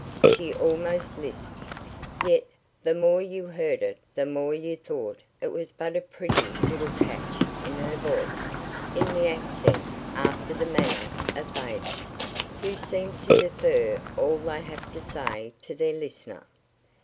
She almost lisped, yet the more you heard it the more you thought it was but a pretty little catch in her voice in the accent after the manner of babies, who seem to defer all they have to say to their listener.